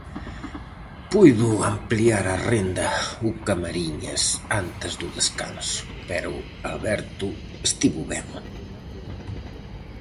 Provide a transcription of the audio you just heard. Puido ampliar a renda o Camariñas antes do descanso pero Alberto estivo ben.